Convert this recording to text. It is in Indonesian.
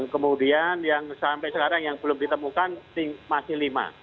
kemudian yang sampai sekarang yang belum ditemukan masih lima